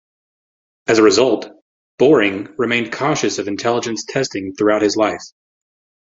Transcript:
As a result, Boring remained cautious of intelligence testing throughout his life.